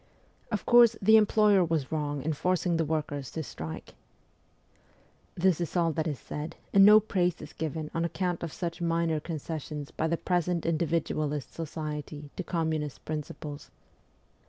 ' Of course, the employer was wrong in forcing the workers to strike,' This is all that is said, and no praise is given on account of such minor concessions by the present individualist society to communist principles.